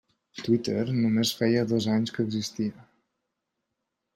Twitter només feia dos anys que existia.